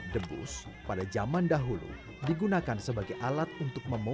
debus pada zaman dahulu digunakan sebagai alat untuk memulai